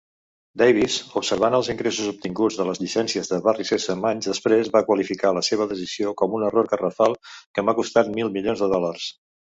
Davis, observant els ingressos obtinguts de les llicències de "Barri Sèsam" anys després, va qualificar la seva decisió com "un error garrafal que m'ha costat mil milions de dòlars".